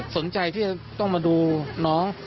สนใจที่จะต้องมาดูน้อง